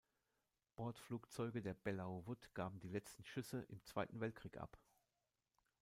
Bordflugzeuge der Belleau Wood gaben die letzten Schüsse im Zweiten Weltkrieg ab.